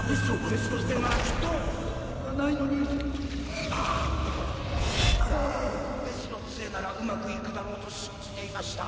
別の杖ならうまくいくだろうと信じていました